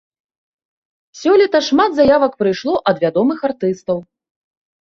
Сёлета шмат заявак прыйшло ад вядомых артыстаў.